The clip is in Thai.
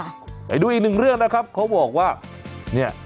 ไปดูอีกหนึ่งเรื่องนะครับเขาบอกว่าเนี่ย